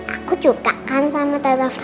aku suka kan sama tata frozen